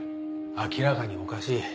明らかにおかしい。